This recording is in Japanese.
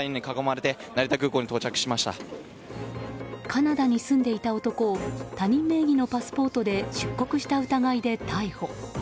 カナダに住んでいた男を他人名義のパスポートで出国した疑いで逮捕。